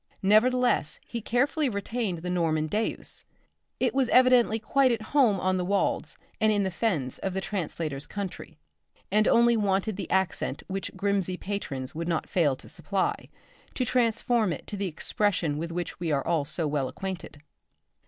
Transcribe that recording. Nevertheless he carefully retained the Norman deus. It was evidently quite at home on the wolds and in the fens of the translator's country, and only wanted the accent which Grimsby patrons would not fail to supply, to transform it to the expression with which we are so well acquainted.